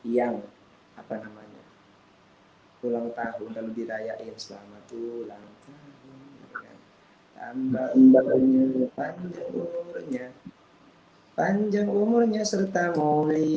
yang apa namanya ulang tahun dan dirayain selama tuh langsung ya amba umurnya panjang umurnya serta ng bryant cerita